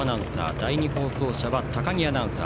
第２放送車は高木アナウンサー。